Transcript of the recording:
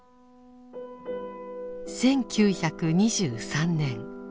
１９２３年。